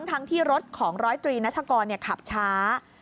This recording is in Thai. ทั้งที่รถของร้อยตรีนัฐกรขับช้า